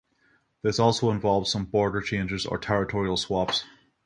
This also involved some border changes or territorial swaps.